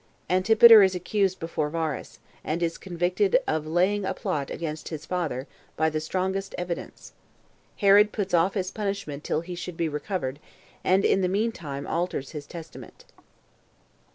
Antipater Is Accused Before Varus, And Is Convicted Of Laying A Plot [Against His Father] By The Strongest Evidence. Herod Puts Off His Punishment Till He Should Be Recovered, And In The Mean Time Alters His Testament.